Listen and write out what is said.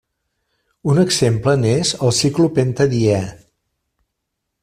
Un exemple n'és el ciclopentadiè.